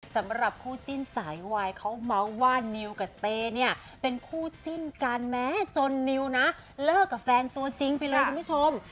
สำหรับคู่จิ้นสายวายเขาเมาส์ว่านิวกับเตเนี่ยเป็นคู่จิ้นกันแม้จนนิวนะเลิกกับแฟนตัวจริงไปเลยคุณผู้ชม